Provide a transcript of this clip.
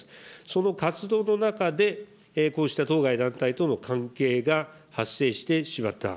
その活動の中で、こうした当該団体との関係が発生してしまった。